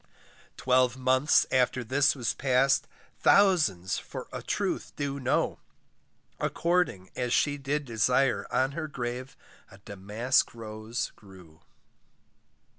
Twelve months after this was passed, Thousands for a truth do know, According as she did desire, On her grave a damask rose grew.